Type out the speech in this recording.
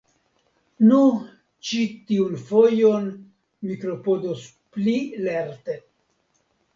Nu, ĉi tiun fojon mi klopodos pli lerte.